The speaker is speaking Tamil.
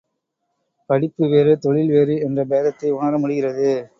படிப்பு வேறு தொழில் வேறு என்ற பேதத்தை உணரமுடிகிறது.